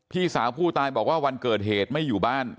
พี่สาวผู้ตายบอกว่าวันเกิดเหตุไม่อยู่บ้าน